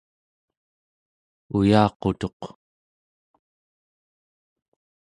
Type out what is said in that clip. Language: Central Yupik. uyaqutuq